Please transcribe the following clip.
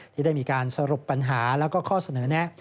ที่ได้มีการสรุปปัญหาแล้วก็ข้อเสนอแนะ